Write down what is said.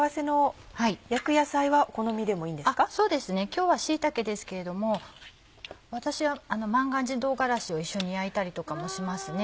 今日は椎茸ですけれども私は万願寺とうがらしを一緒に焼いたりとかもしますね。